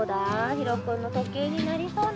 ひろくんのとけいになりそうな